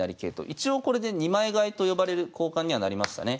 一応これで二枚換えと呼ばれる交換にはなりましたね。